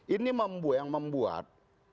ini yang membuat